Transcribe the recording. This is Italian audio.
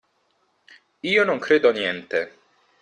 Io non credo niente.